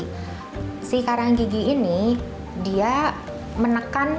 jadi si karang gigi ini dia menekan